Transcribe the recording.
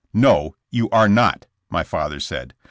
''No, you are not," my father said.